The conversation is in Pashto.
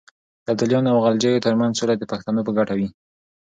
د ابدالیانو او غلجیو ترمنځ سوله د پښتنو په ګټه وه.